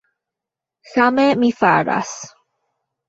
Same mi faras.